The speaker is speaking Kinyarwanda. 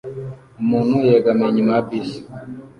Umuntu yegamiye inyuma ya bisi